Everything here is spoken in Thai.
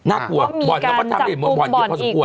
น่ากลัวบ่อนเราก็ทำให้บ่อนเยอะพอสมควร